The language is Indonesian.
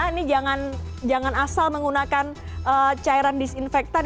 ini jangan asal menggunakan cairan disinfektan